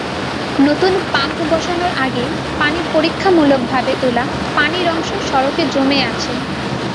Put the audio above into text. নতুন পাম্প বসানোর আগে পানি পরীক্ষামূলকভাবে তোলা পানির অংশ সড়কে জমে আছে।